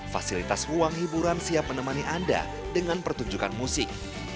fasilitas ruang hiburan siap menemani anda dengan pertunjukan musik